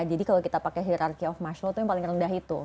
jadi kalau kita pakai hirarki of martial law itu yang paling rendah itu